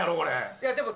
いやでも。